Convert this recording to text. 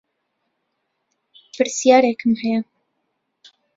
پرسیارێکم هەیە